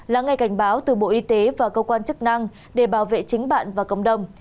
là ngay cảnh báo từ bộ y tế và cơ quan chức năng để bảo vệ chính bạn và cộng đồng